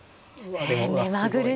目まぐるしい。